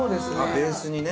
ベースにね。